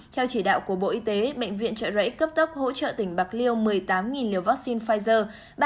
theo chỉ đạo của bộ y tế bệnh viện trợ rẫy cấp tốc hỗ trợ tỉnh bạc liêu một mươi tám liều vaccine pfizer